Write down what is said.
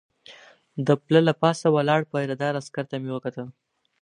د پله له پاسه ولاړ پیره دار عسکر ته مې وکتل.